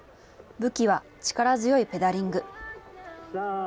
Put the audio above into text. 武器は力強いペダリング。